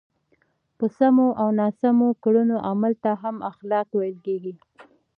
په سمو او ناسم کړنو عمل ته هم اخلاق ویل کېږي.